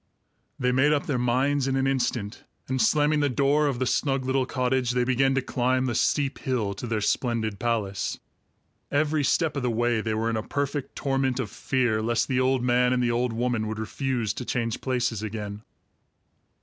They made up their minds in an instant, and slamming the door of the snug little cottage, they began to climb the steep hill to their splendid palace. Every step of the way they were in a perfect torment of fear lest the old man and the old woman would refuse to change places again.